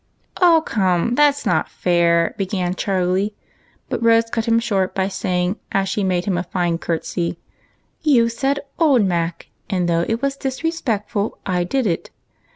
"Oh, come; that's not fair," began Charlie. But Rose cut him short by saying, as she made him a fine courtesy, — "You said 'Old Mac,' and though it was very disres{)ectful, I did it.